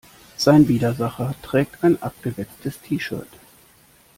Sein Widersacher trägt ein abgewetztes T-Shirt.